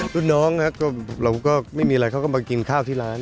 รุ่นน้องเราก็ไม่มีอะไรเขาก็มากินข้าวที่ร้าน